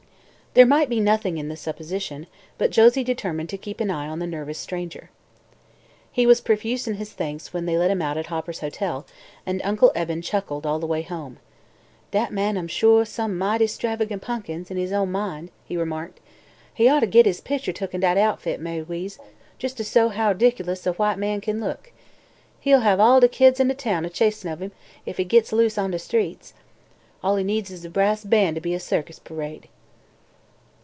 There might be nothing in this supposition but Josie determined to keep an eye on the nervous stranger. He was profuse in his thanks when they let him out at Hopper's Hotel and Uncle Eben chuckled all the way home. "Dat man am shuah some mighty 'stravagant punkins, in he's own mind," he remarked. "He oughteh git he's pictur' took in dat outfit, Ma'y Weeze, jes' to show how 'dic'lous a white man can look. He'll have all de kids in town a chasin' of him, if he gits loose on de streets. All he needs is a brass ban' to be a circus parade."